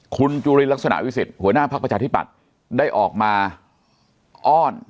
คุณจุลินลักษณะวิสิทธิหัวหน้าภักดิ์ประชาธิปัตย์ได้ออกมาอ้อน